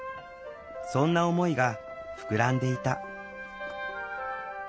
そんな思いが膨らんでいた。